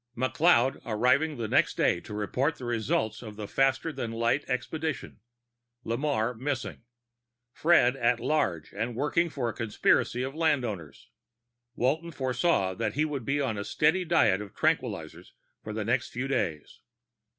McLeod arriving the next day to report the results of the faster than light expedition, Lamarre missing, Fred at large and working for a conspiracy of landowners Walton foresaw that he would be on a steady diet of tranquilizers for the next few days.